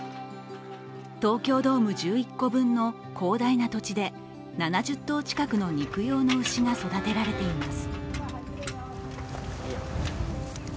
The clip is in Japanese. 東京ドーム１１個分の広大な土地で７０頭の肉用の牛が育てられています。